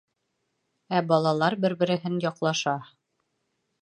Ә балалар бер-береһен яҡлаша.